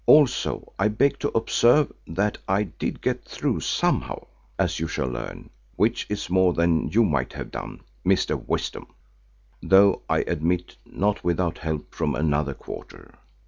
Also I beg to observe that I did get through somehow, as you shall learn, which is more than you might have done, Mr. Wisdom, though I admit, not without help from another quarter.